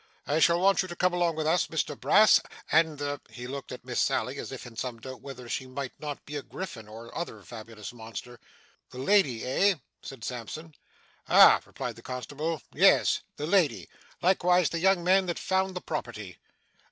I shall want you to come along with us, Mr Brass, and the ' he looked at Miss Sally as if in some doubt whether she might not be a griffin or other fabulous monster. 'The lady, eh?' said Sampson. 'Ah!' replied the constable. 'Yes the lady. Likewise the young man that found the property.